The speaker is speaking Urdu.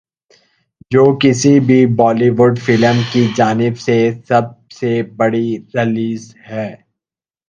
جو کسی بھی بولی وڈ فلم کی جانب سے سب سے بڑی ریلیز ہے